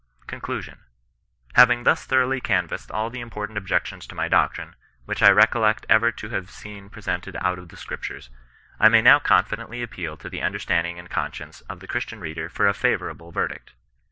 CONCLUSION. Having thus thoroughly canvassed all the important objections to my doctrine, which I recollect ever to have seen presented out of the Scriptures, I may now confidently appeal to the understanding and conscience of the Christian reader for a favourable verdict.